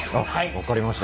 分かりました。